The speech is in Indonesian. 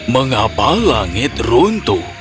mengapa langit runtuh